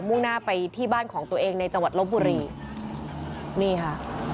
่งหน้าไปที่บ้านของตัวเองในจังหวัดลบบุรีนี่ค่ะ